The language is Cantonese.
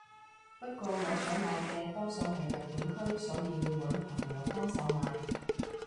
不過我想買嘅多數係日本區所以要搵朋友幫手買